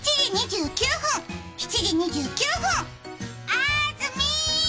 あずみ！